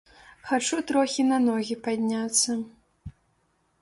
Хачу трохі на ногі падняцца.